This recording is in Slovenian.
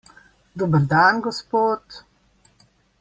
Dober dan, gospod.